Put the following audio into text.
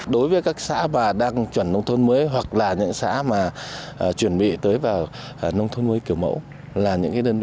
đối với các xã bà đang chuẩn nông thôn mới hoặc là những xã mà chuẩn bị tới vào nông thôn mới kiểu mẫu là những đơn vị